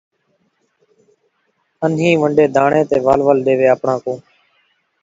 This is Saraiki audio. عشق نئیں پچھدا ذات صفات